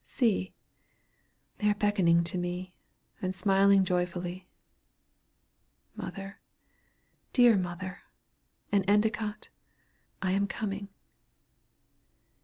See! they are beckoning to me, and smiling joyfully! Mother, dear mother, and Endicott, I am coming!"